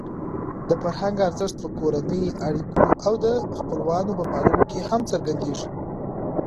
د فرهنګ ارزښت په کورنۍ اړیکو او د خپلوانو په پاللو کې هم څرګندېږي.